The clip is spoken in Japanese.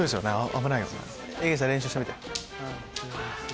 いげちゃん練習してみて。